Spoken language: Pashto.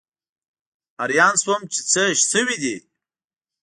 حیران شوم چې څه شوي دي.